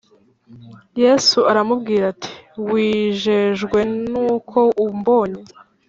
Yesu aramubwira ati Wijejwe n uko umbonye